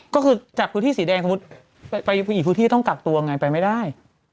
ก็คือจากพื้นที่สีแดงสมมุติไปอีกพื้นที่ต้องกักตัวไงไปไม่ได้